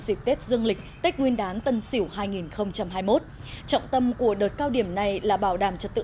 dịp tết dương lịch tết nguyên đán tân sỉu hai nghìn hai mươi một trọng tâm của đợt cao điểm này là bảo đảm trật tự